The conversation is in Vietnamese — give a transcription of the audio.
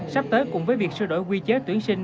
sắp tới cùng với việc sửa đổi quy chế tuyển sinh